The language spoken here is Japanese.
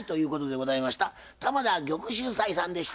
玉田玉秀斎さんでした。